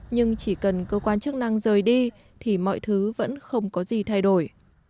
nhưng chỉ cần cơ quan chức năng rời đi thì mọi thứ vẫn không có gì thay đổi